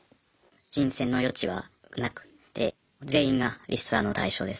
人選の余地はなくて全員がリストラの対象です。